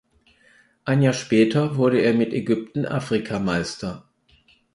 Ein Jahr später wurde er mit Ägypten Afrikameister.